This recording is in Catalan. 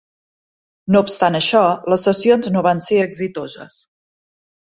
No obstant això, les sessions no van ser exitoses.